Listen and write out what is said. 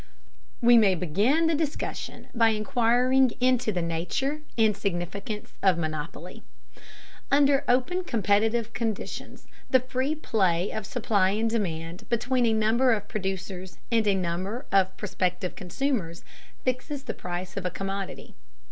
We may begin the discussion by inquiring into the nature and significance of monopoly. Under openly competitive conditions the free play of supply and demand between a number of producers and a number of prospective consumers fixes the price of a commodity.